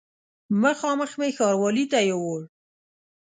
مخامخ مې ښاروالي ته یووړ.